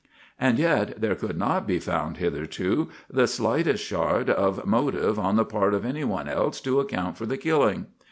And yet there could not be found hitherto the slightest sherd of motive on the part of anyone else to account for the killing.